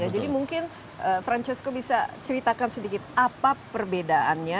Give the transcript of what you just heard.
jadi mungkin francesco bisa ceritakan sedikit apa perbedaannya